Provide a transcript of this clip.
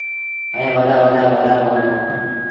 ائيٚݩ وڏآ وڏآ ولر هوئين دآ۔